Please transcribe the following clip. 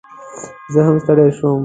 زه هم ستړي شوم